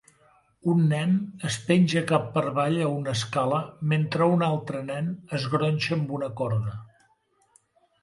Un nen es penja cap per avall a una escala mentre un altre nen es gronxa amb una corda.